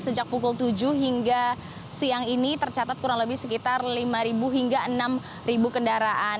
sejak pukul tujuh hingga siang ini tercatat kurang lebih sekitar lima hingga enam kendaraan